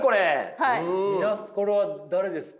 これは誰ですか？